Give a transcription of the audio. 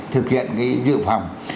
thực hiện cái dự phòng